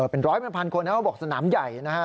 เป็นร้อยบนพันคนบอกสนามใหญ่นะครับ